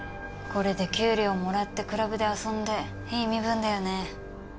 これで給料もらってクラブで遊んでいい身分だよね。